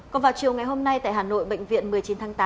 còn vào chiều ngày hôm nay tại hà nội bệnh viện một mươi chín tháng tám